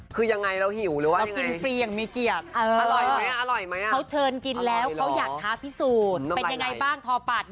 คือยังไงเราหิวหรือว่า